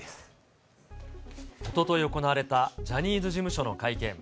おととい行われたジャニーズ事務所の会見。